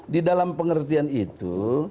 di dalam pengertian itu